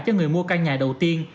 cho người mua căn nhà đầu tiên